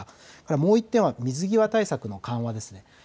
もう１点は水際対策の緩和ですね。